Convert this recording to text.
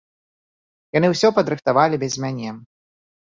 Яны ўсё падрыхтавалі без мяне.